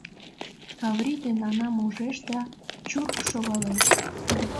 Каврий ден Анам ужеш да чурк шогалеш.